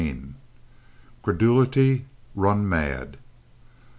CREDULITY RUN MAD.